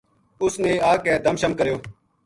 اس نے آ کے دم شم کریو